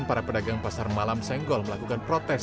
para pedagang pasar malam senggol melakukan protes